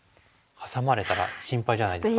ハサまれたら心配じゃないですか？